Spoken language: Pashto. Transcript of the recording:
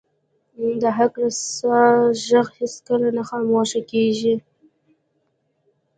د حق رسا ږغ هیڅکله نه خاموش کیږي